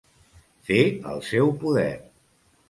Fer el seu poder.